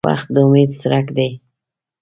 • وخت د امید څرک دی.